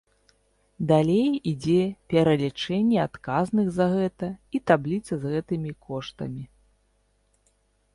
Далей ідзе пералічэнне адказных за гэта і табліца з гэтымі коштамі.